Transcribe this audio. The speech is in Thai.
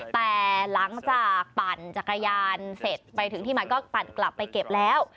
แต่หลังจากปั่นจักรยานเสร็จไปถึงที่มันก็ปั่นกลับไปเก็บแล้ว